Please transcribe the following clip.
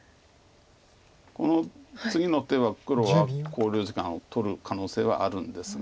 この次の手は黒は考慮時間を取る可能性はあるんですが。